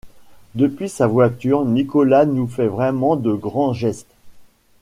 Depuis sa voiture, Nicolas nous fait vraiment de grands gestes.